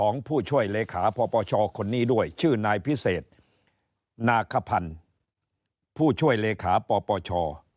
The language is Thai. นาคพันธ์ผู้ช่วยเลขาปปช